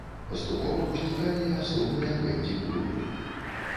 Паступова ўзнікалі і асобныя бэндзі-клубы.